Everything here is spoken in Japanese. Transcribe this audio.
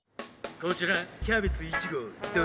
こちらキャベツ２ごう。